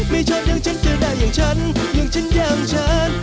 ไม่ชอบอย่างฉันจะได้อย่างฉันอย่างฉันอย่างฉัน